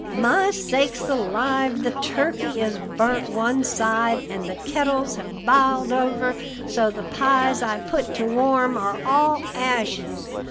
"My sakes alive the turkey is burnt one side, and the kettles have biled over so the pies I put to warm are all ashes!"